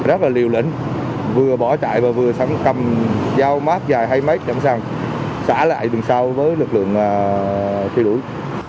rất là liều lĩnh vừa bỏ chạy và vừa cầm dao mát dài hai mươi mét chẳng sàng xả lại đường sau với lực lượng truy đuổi